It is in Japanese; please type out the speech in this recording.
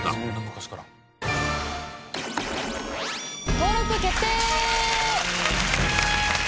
登録決定！